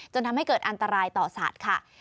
ทำให้เกิดอันตรายต่อสัตว์ค่ะ